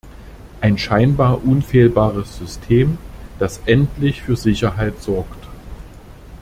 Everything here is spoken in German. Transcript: Ein scheinbar unfehlbares System, das endlich für Sicherheit sorgt.